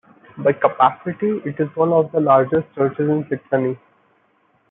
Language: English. By capacity, it is one of the largest churches in Saxony.